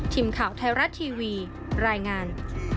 ทีมข่าวไทยรัฐทีวีรายงาน